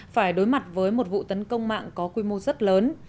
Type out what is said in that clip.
phải đối mặt với một vụ tấn công mạng có quy mô rất lớn